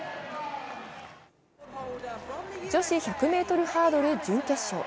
女子１００ｍハードル準決勝。